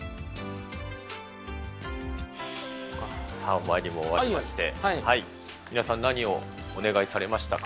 お参りも終わりまして、皆さん、何をお願いされましたか？